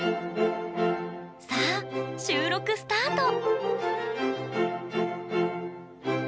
さあ、収録スタート。